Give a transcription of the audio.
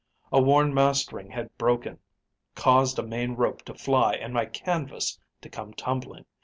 A worn mast ring had broken, caused a main rope to fly and my canvas to come tumbling.